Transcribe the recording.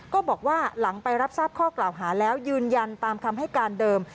ก็บอกว่าหลังไปรับทราบข้อกล่าวหาแล้วยืนยันตามคำให้การเดิม